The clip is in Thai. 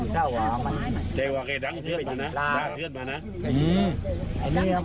เจ้าหรือยังเจ้าหรือยังเจ้าหรือยัง